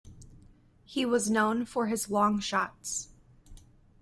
He was known for his long-shots.